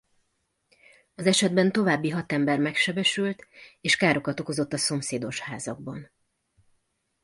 Az esetben további hat ember megsebesült és károkat okozott a szomszédos házakban.